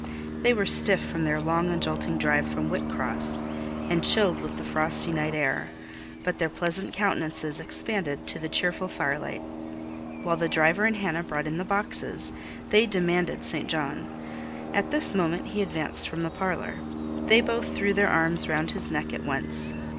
They were stiff with their long and jolting drive from Whitcross, and chilled with the frosty night air; but their pleasant countenances expanded to the cheerful firelight. While the driver and Hannah brought in the boxes, they demanded St. John. At this moment he advanced from the parlour. They both threw their arms round his neck at once.